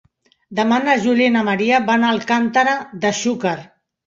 Demà na Júlia i na Maria van a Alcàntera de Xúquer.